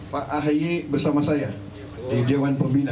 pak ahy bersama saya di dewan pembina